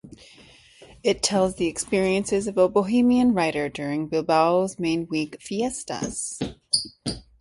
It tells the experiences of a bohemian writer during Bilbao's Main Week fiestas.